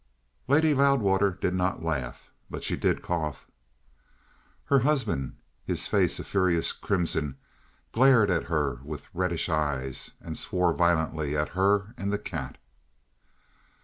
Lady Loudwater did not laugh; but she did cough. Her husband, his face a furious crimson, glared at her with reddish eyes, and swore violently at her and the cat.